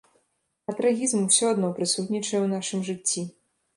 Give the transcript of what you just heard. А трагізм усё адно прысутнічае ў нашым жыцці.